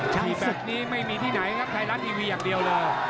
มีแบบนี้ไม่มีที่ไหนครับไทยรัฐทีวีอย่างเดียวเลย